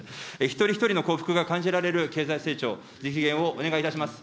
一人一人の幸福が感じられる経済成長、実現をお願いいたします。